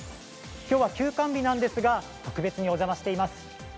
きょうは休館日なんですが特別にお邪魔しています。